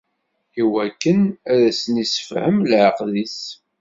Iwakken ad asen-issefhem leɛqed-is.